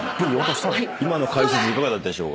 今の解説いかがだったでしょう？